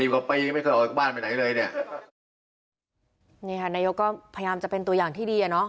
ก็พยายามจะเป็นตัวอย่างที่ดีนะ